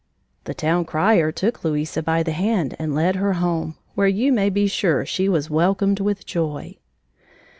The town crier took Louisa by the hand and led her home, where you may be sure she was welcomed with joy.